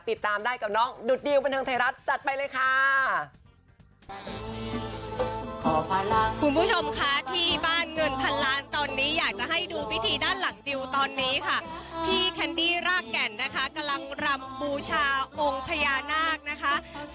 ติดตามได้กับน้องดุดดิวบันเทิงไทยรัฐจัดไปเลยค่ะ